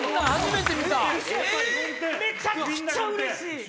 めちゃくちゃうれしい！